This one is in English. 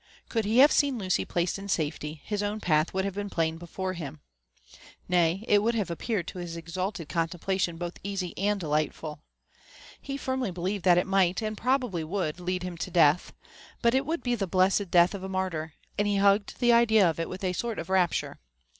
Could he have seen Lucy placed in safety, his own path would have been plain before him ;— nay, it would have appeared to his exalted contemplation both easy and delightful. He firmly believed that it might, and probably would, lead him to death ; but it would be the blessed death of a martyr, and he hugged the idea of it with a sort of rapture.